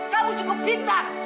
kamu cukup pintar